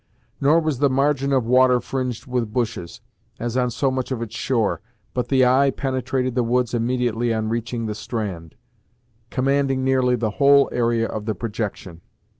Nor was the margin of water fringed with bushes, as on so much of its shore, but the eye penetrated the woods immediately on reaching the strand, commanding nearly the whole area of the projection.